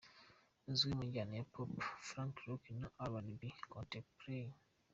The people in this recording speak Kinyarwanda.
Azwi mu njyana ya Pop, Funk, Rock na R&B contemporain.